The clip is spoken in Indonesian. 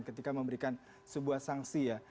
ketika memberikan sebuah sanksi ya